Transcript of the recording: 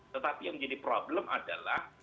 tetapi yang menjadi problem adalah